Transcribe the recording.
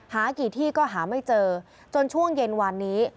หากี่ที่ก็หาไม่เจอจนช่วงเย็นวานนี้